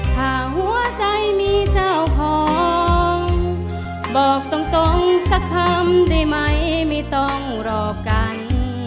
ถ้าหัวใจมีเจ้าของบอกตรงสักคำได้ไหมไม่ต้องรอกัน